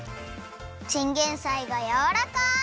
チンゲンサイがやわらかい！